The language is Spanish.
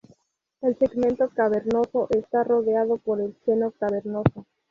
El segmento cavernoso está rodeado por el seno cavernoso.